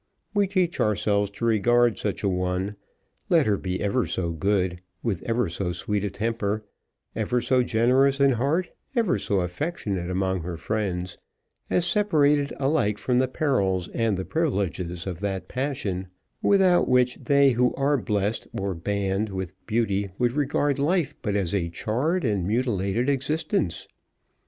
We teach ourselves to regard such a one, let her be ever so good, with ever so sweet temper, ever so generous in heart, ever so affectionate among her friends, as separated alike from the perils and the privileges of that passion without which they who are blessed or banned with beauty would regard life but as a charred and mutilated existence.